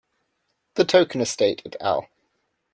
The Tolkien Estate "et al".